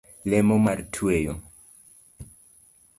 Lemo mar tweyo